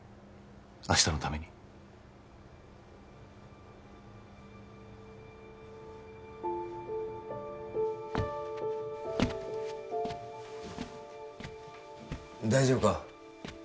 明日のために大丈夫か？